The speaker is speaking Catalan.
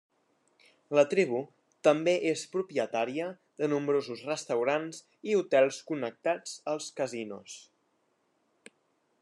La tribu també és propietària de nombrosos restaurants i hotels connectats als casinos.